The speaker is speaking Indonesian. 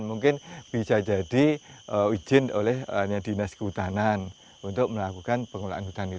mungkin bisa jadi izin oleh dinas kehutanan untuk melakukan pengelolaan hutan itu